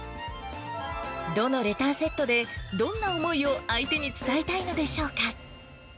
どのレターセットで、どんな思いを相手に伝えたいのでしょうか。